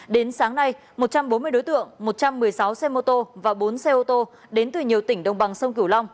đến sáng nay một trăm bốn mươi đối tượng một trăm một mươi sáu xe mô tô và bốn xe ô tô đến từ nhiều tỉnh đồng bằng sông cửu long